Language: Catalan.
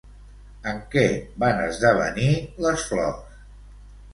En què van esdevenir les flors?